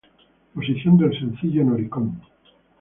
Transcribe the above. Posición del sencillo en Oricon.